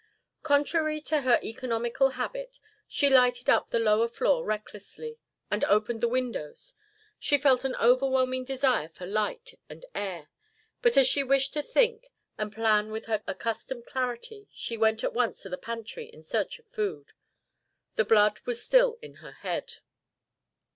Contrary to her economical habit, she lighted up the lower floor recklessly, and opened the windows; she felt an overwhelming desire for light and air. But as she wished to think and plan with her accustomed clarity she went at once to the pantry in search of food; the blood was still in her head.